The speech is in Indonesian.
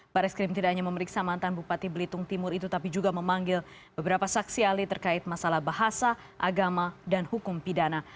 baris krim tidak hanya memeriksa mantan bupati belitung timur itu tapi juga memanggil beberapa saksi ahli terkait masalah bahasa agama dan hukum pidana